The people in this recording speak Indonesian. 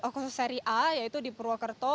khusus seri a yaitu di purwokerto